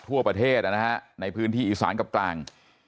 ทั่วประเทศนะครับในพื้นที่อิสานกลาง